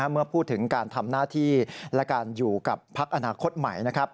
เมื่อพูดถึงการทำหน้าที่และการอยู่กับพักอนาคตใหม่